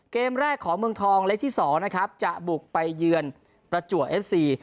เกมแรกของเมืองทองเล็กที่๒นะครับจะบุกไปเยือนประจวบเอฟซี